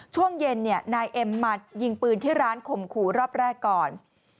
ช่วงเย็นนายเอ็มมายิงปืนที่ร้านข่มขู่รอบแรกก่อน